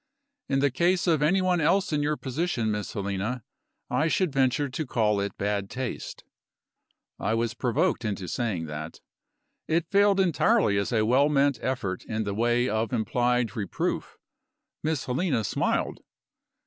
"In the case of any one else in your position, Miss Helena, I should venture to call it bad taste." I was provoked into saying that. It failed entirely as a well meant effort in the way of implied reproof. Miss Helena smiled.